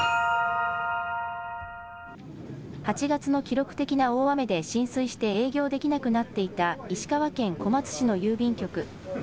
８月の記録的な大雨で浸水して営業できなくなっていた石川県小松市の郵便局。